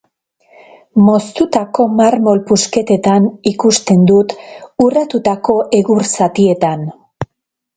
Moztutako marmol pusketetan ikusten dut, urratutako egur zatietan.